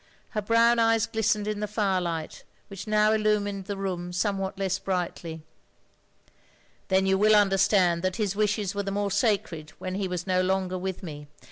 Her brown eyes glistened in the firelight, which now illtmiined the room somewhat less brightly. " Then you will understand that his wishes were the more sacred when he was no longer with me."